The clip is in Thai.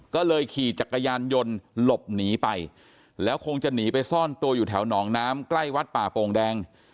ก็เลยขี่จักรยานยนต์หลบหนีไปแล้วคงจะหนีไปซ่อนตัวอยู่แถวหนองน้ำใกล้วัดป่าโป่งแดง